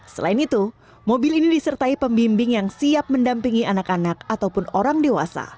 selain itu mobil ini disertai pembimbing yang siap mendampingi anak anak ataupun orang dewasa